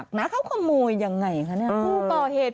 เขาเขาโมยอย่างไรคะนี่